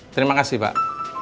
terima kasih pak